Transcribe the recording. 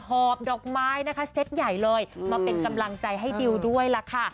หอบดอกไม้นะคะเซตใหญ่เลยมาเป็นกำลังใจให้ดิวด้วยล่ะค่ะ